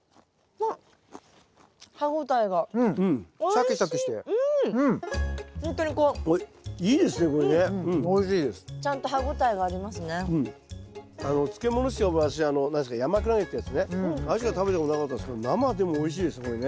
あれしか食べたことなかったですけど生でもおいしいですこれね。